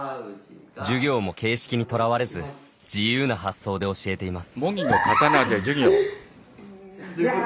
授業も形式にとらわれず自由な発想で教えています。